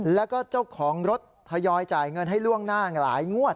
แล้วก็เจ้าของรถทยอยจ่ายเงินให้ล่วงหน้าหลายงวด